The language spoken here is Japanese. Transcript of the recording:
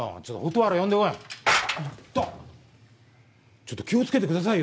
ちょっと気を付けてくださいよ